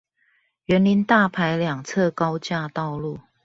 員林大排兩側高架道路